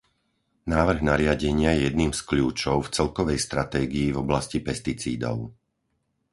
Návrh nariadenia je jedným z kľúčov v celkovej stratégii v oblasti pesticídov.